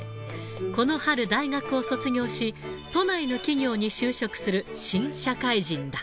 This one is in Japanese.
この春大学を卒業し、都内の企業に就職する新社会人だ。